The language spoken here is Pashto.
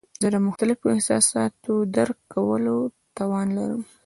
زه د مختلفو احساساتو درک کولو توان لرم.